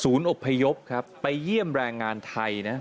ศูนย์อบไพยบครับไปเยี่ยมแรงงานไทยนะ